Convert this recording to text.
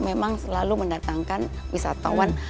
memang selalu mendatangkan wisatawan